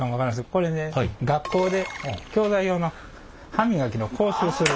これね学校で教材用の歯磨きの講習をする。